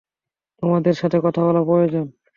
তোমাদের সাথে কথা বলা প্রয়োজন।